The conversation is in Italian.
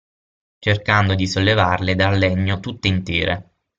Cercando di sollevarle dal legno tutte intere.